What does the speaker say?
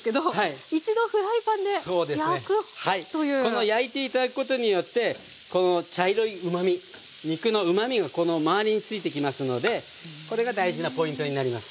この焼いて頂くことによって茶色いうまみ肉のうまみがこの周りに付いてきますのでこれが大事なポイントになります。